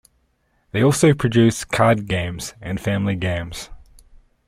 They also produce card games and family games.